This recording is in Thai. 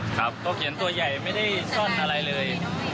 ครับก็เขียนตัวใหญ่ไม่ได้ซ่อนอะไรเลย